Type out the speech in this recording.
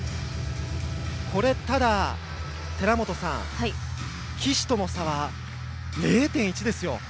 ただ、寺本さん岸との差は０．１ですよ。